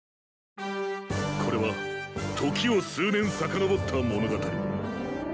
［これは時を数年さかのぼった物語］